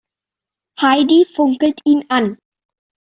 Heidi funkelt ihn an.